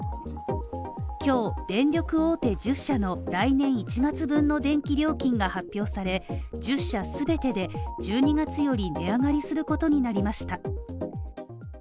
今日電力大手１０社の来年１月分の電気料金が発表され、１０社全てで１２月より値上がりすることになりました。